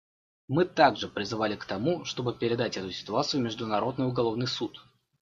Мы также призывали к тому, чтобы передать эту ситуацию в Международный уголовный суд.